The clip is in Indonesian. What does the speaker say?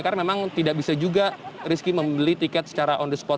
karena memang tidak bisa juga rizky membeli tiket secara on the spot